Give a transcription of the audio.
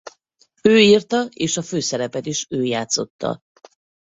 Ő írta és a főszerepet is ő játszotta.